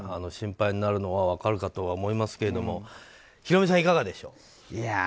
心配になるのは分かるかと思いますがヒロミさん、いかがでしょう。